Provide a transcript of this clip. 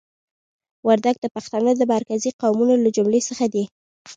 وردګ د پښتنو د مرکزي قومونو له جملې څخه دي.